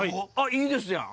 いいですやん。